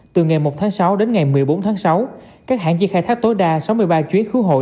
từ ngày một tháng sáu đến ngày một mươi bốn tháng sáu các hãng chỉ khai thác tối đa sáu mươi ba chuyến khứ hội